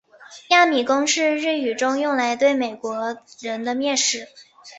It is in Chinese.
亚米公是日语中用来对美国人的蔑称。